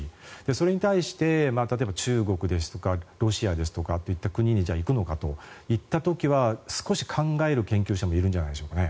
それに対して例えば中国ですとかロシアですとかといった国にじゃあ、行くのかといった時は少し考える研究者もいるんじゃないでしょうか。